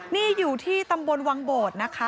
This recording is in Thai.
นี่อยู่ที่ตำบลวังโบดนะคะ